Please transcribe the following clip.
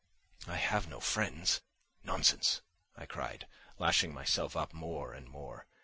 I have no friends. Nonsense!" I cried, lashing myself up more and more.